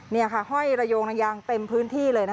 นี่ค่ะห้อยระโยงระยางเต็มพื้นที่เลยนะคะ